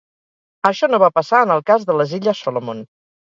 Això no va passar en el cas de les Illes Solomon.